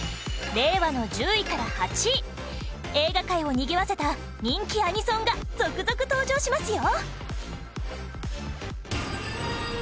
令和の１０位から８位映画界をにぎわせた人気アニソンが続々登場しますよ！